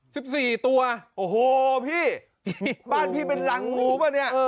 สิบสี่ตัวโอ้โหพี่บ้านพี่เป็นรังหมูป่ะเนี่ย